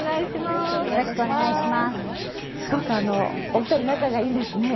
すごくお二人仲がいいんですね。